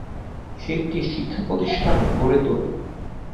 সে একটি শিক্ষা প্রতিষ্ঠান গড়ে তোলে।